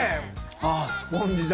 ・あぁスポンジだ。